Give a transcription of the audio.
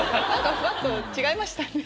違いましたね。